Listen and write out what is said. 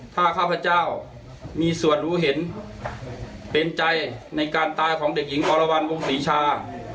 ถ้าข้าพเจ้ามีส่วนรู้เห็นเป็นใจในการตายของเด็กหญิงอรวรรณวงศรีชา